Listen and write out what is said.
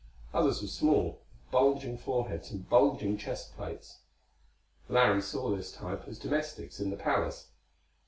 Others were small, with bulging foreheads and bulging chest plates: Larry saw this type as domestics in the palace.